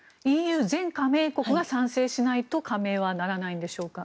ＥＵ全加盟国が賛成しないと加盟はならないんでしょうか。